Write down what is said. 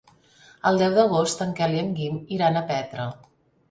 El deu d'agost en Quel i en Guim iran a Petra.